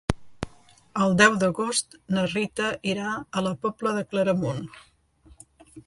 El deu d'agost na Rita irà a la Pobla de Claramunt.